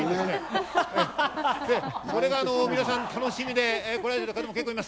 それが皆さん、楽しみで来られる方もいます。